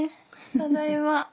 ただいま。